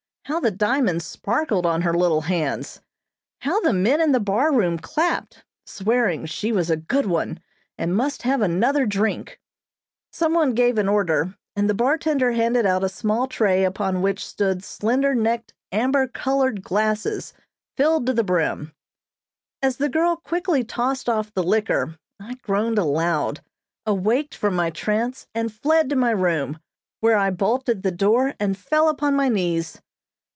How the diamonds sparkled on her little hands I How the men in the bar room clapped, swearing she was a good one, and must have another drink. Someone gave an order, and the bartender handed out a small tray upon which stood slender necked amber colored glasses filled to the brim. As the girl quickly tossed off the liquor, I groaned aloud, awaked from my trance, and fled to my room, where I bolted the door, and fell upon my knees.